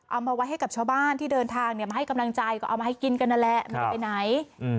เอามาไว้ให้กับชาวบ้านที่เดินทางมาให้กำลังใจก็เอามาให้กินกันนั่นแหละไม่ได้ไปไหน